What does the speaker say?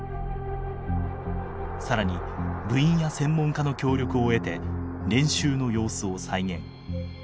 更に部員や専門家の協力を得て練習の様子を再現。